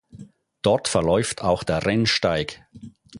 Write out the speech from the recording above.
Dort verläuft auch der Rennsteig.